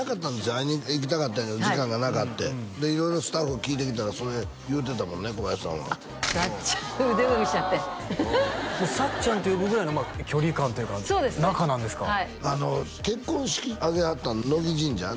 会いに行きたかったんやけど時間がなかって色々スタッフ聞いてきたらそれ言うてたもんね小林さんはさっちゃん腕組みしちゃってさっちゃんって呼ぶぐらいの距離感というか仲なんですか結婚式挙げはったの乃木神社？